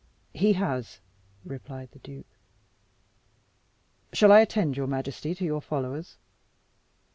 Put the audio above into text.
"He has," replied the duke. "Shall I attend your majesty to your followers?"